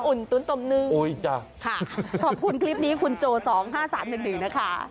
หุ่นตุ๋นตมนึ่งโอ๊ยจ้ะค่ะขอบคุณคลิปนี้คุณโจสองห้าสามหนึ่งหนึ่งนะคะ